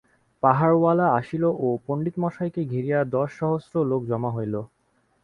পাহাড়াওয়ালা আসিল ও পণ্ডিতমহাশয়কে ঘিরিয়া দশ সহস্র লোক জমা হইল।